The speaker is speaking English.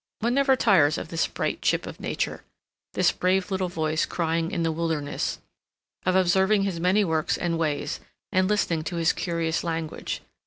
One never tires of this bright chip of nature,—this brave little voice crying in the wilderness,—of observing his many works and ways, and listening to his curious language.